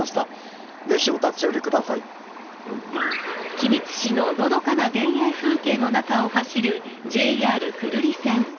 ［君津市ののどかな田園風景の中を走るＪＲ久留里線］